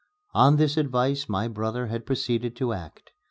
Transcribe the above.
On this advice my brother had proceeded to act.